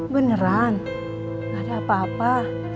beneran gak ada apa apa